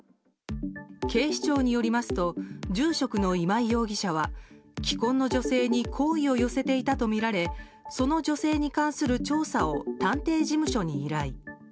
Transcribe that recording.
警視庁によりますと住職の今井容疑者は既婚の女性に好意を寄せていたとみられその女性に関する調査を探偵事務所に依頼。